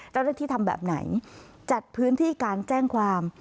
เจ้าหน้าที่ทำแบบไหนจัดพื้นที่การแจ้งความ